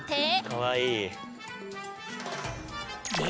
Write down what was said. かわいい。